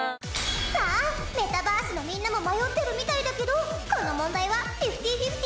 さあメタバースのみんなも迷ってるみたいだけどこの問題は５０：５０